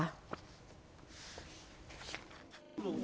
นี่ล่ะต้นมะขามหลังห้องน้ำคือที่มันรอบตนตอนแรก